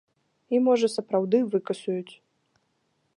І, можа, сапраўды выкасуюць.